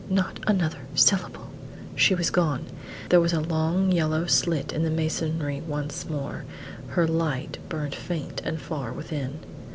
Not another syllable!" She was gone; there was a long yellow slit in the masonry once more; her light burnt faint and far within.